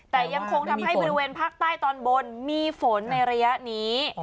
แต่ยังคงทำให้บริเวณภาคใต้ตอนบนมีฝนในระยะนี้